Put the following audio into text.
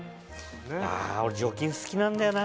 あ俺除菌好きなんだよなぁ。